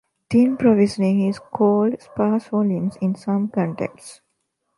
Thin provisioning is called "sparse volumes" in some contexts.